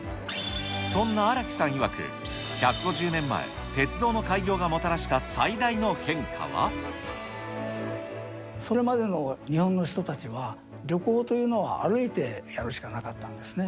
そんな荒木さんいわく、１５０年前、鉄道の開業がもたらした最大それまでの日本の人たちは、旅行というのは、歩いてやるしかなかったんですね。